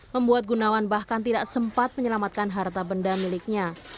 membuat gunawan bahkan tidak sempat menyelamatkan harta benda miliknya